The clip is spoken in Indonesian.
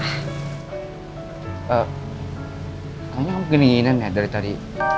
kayaknya kamu beginiinan ya dari tadi